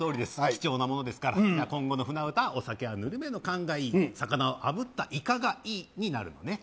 貴重なものですから今後の「舟唄」は「お酒はぬるめの燗がいい肴はあぶったイカがいい」になるのね